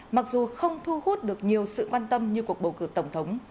mặc dù không thu hút được nhiều sự quan tâm như cuộc bầu cử tổng thống